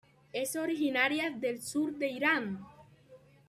Es originaria del sur de Irán.